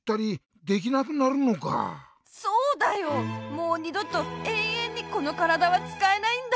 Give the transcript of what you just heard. もうにどとえいえんにこのからだはつかえないんだ。